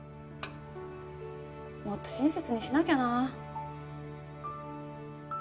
もっと親切にしなきゃな。